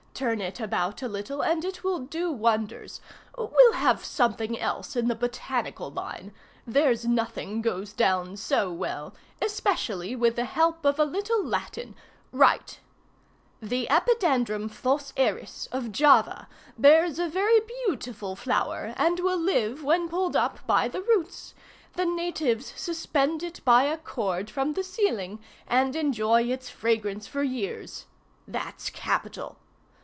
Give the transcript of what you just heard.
Turn it about a little, and it will do wonders. We'll have some thing else in the botanical line. There's nothing goes down so well, especially with the help of a little Latin. Write! "'The Epidendrum Flos Aeris, of Java, bears a very beautiful flower, and will live when pulled up by the roots. The natives suspend it by a cord from the ceiling, and enjoy its fragrance for years.' That's capital!